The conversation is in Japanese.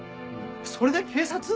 それで警察？